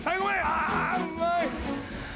あうまい。